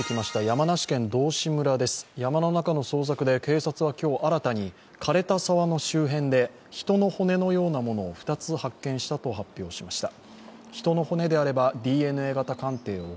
山梨県道志村です山の中の捜索で警察は今日、新たに枯れた沢の周辺で人の骨のようなものを２つ発見したと発表しました。